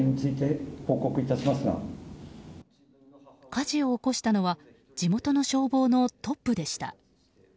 火事を起こしたのは地元の消防のトップでした。